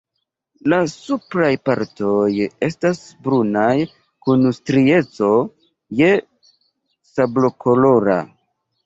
La supraj partoj estas brunaj kun strieco je sablokolora.